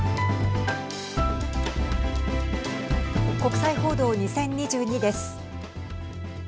国際報道２０２２です。